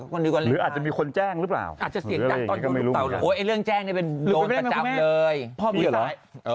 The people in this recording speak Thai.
หรืออาจจะมีคนแจ้งหรือเปล่า